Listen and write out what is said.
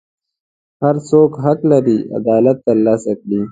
هر څوک حق لري عدالت ترلاسه کړي.